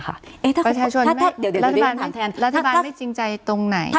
รัฐบาลไม่จริงใจตรงไหน